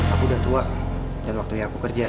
aku udah tua dan waktunya aku kerja